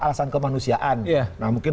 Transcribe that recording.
alasan kemanusiaan nah mungkin